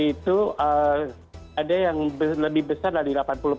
itu ada yang lebih besar dari delapan puluh